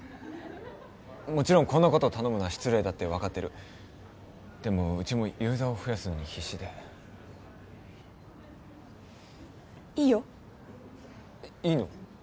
もちろんこんなこと頼むのは失礼だって分かってるでもうちもユーザーを増やすのに必死でいいよいいの？